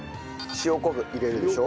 塩昆布入れるでしょ。